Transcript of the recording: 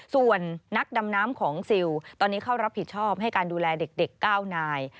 ส่วนนักดำน้ำของซิลตอนนี้เข้ารับผิดชอบให้การดูแลเด็ก๙นาย